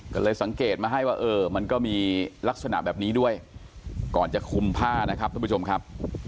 ก็เลยสังเกตมาให้ว่าเออมันก็มีลักษณะแบบนี้ด้วยก่อนจะคุมผ้านะครับทุกผู้ชมครับ